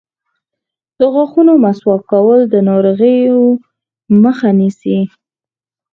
د غاښونو مسواک کول د ناروغیو مخه نیسي.